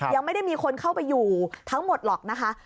ยังไม่ได้มีคนเข้าไปอยู่ทั้งหมดหรอกนะคะ